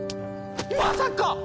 ⁉まさかっ